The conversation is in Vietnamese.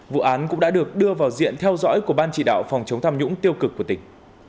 vụ án cũng đã được đưa vào diện theo dõi của ban chỉ đạo phòng chống tham nhũng tiêu cực của tỉnh